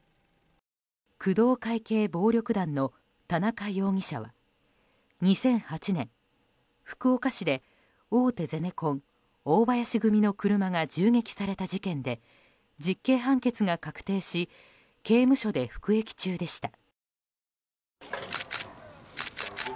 工藤会系暴力団の田中容疑者は２００８年、福岡市で大手ゼネコン大林組の車が銃撃された事件で実刑判決が確定し刑務所で服役中でした。